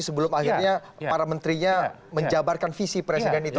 sebelum akhirnya para menterinya menjabarkan visi presiden itu